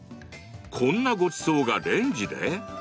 こんなごちそうがレンジで？